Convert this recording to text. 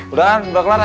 udah kan udah kelar kelar